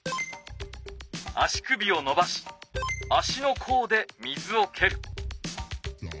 足首をのばし足の甲で水をける。